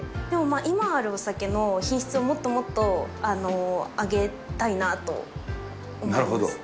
今あるお酒の品質をもっともっと上げたいなと思います。